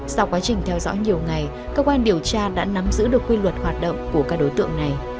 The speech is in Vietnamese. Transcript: sau quá trình theo dõi nhiều ngày cơ quan điều tra đã nắm giữ được quy luật hoạt động của các đối tượng này